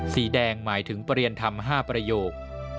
สีแดงหมายถึงประเรียนธรรม๕ประโยค